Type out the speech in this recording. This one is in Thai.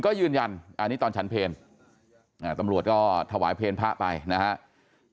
ก็ยืนยันอันนี้ตอนฉันเพลตำรวจก็ถวายเพลงพระไปนะครับ